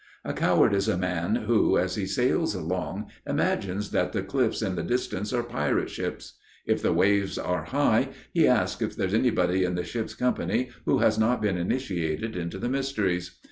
A coward is a man who, as he sails along, imagines that the cliffs in the distance are pirate ships; if the waves are high, he asks if there's anybody in the ship's company who has not been initiated into the mysteries.